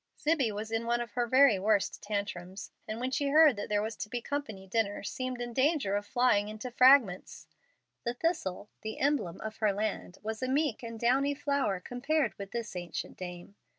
Zibbie was in one of her very worst tantrums, and when she heard that there was to be company to dinner, seemed in danger of flying into fragments. The thistle, the emblem of her land, was a meek and downy flower compared with this ancient dame.